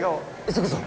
急ぐぞ。